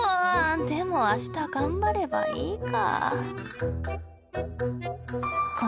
でも明日頑張ればいいか。